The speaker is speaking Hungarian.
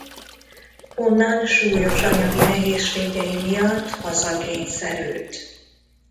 Onnan súlyos anyagi nehézségei miatt haza kényszerült.